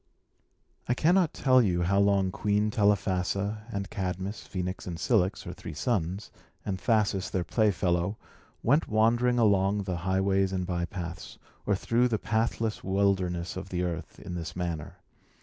I cannot tell you how long Queen Telephassa, and Cadmus, Phœnix, and Cilix, her three sons, and Thasus, their playfellow, went wandering along the highways and bypaths, or through the pathless wildernesses of the earth, in this manner.